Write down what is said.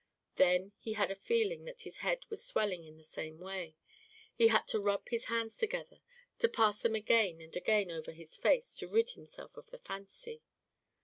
Then he had a feeling that his head was swelling in the same way. He had to rub his hands together, to pass them again and again over his face to rid himself of the fancy.